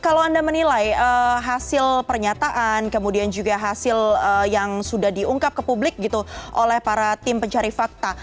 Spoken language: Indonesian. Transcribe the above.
kalau anda menilai hasil pernyataan kemudian juga hasil yang sudah diungkap ke publik gitu oleh para tim pencari fakta